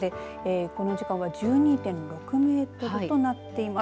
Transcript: この時間は１２．６メートルとなっています。